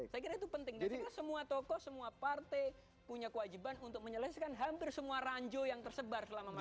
saya kira itu penting dan semua tokoh semua partai punya kewajiban untuk menyelesaikan hampir semua ranjo yang terjadi di nu